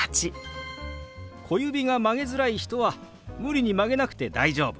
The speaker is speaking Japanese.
小指が曲げづらい人は無理に曲げなくて大丈夫。